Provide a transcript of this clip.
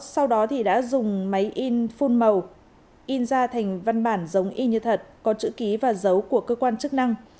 sau đó thì đã dùng máy in phun màu in ra thành văn bản giống y như thật có chữ ký và dấu của cơ quan chức năng